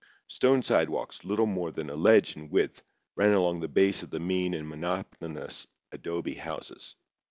Stone sidewalks, little more than a ledge in width, ran along the base of the mean and monotonous adobe houses.